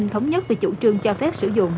thống nhất về chủ trương cho phép sử dụng